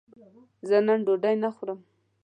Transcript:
زه نن ډوډی نه خورم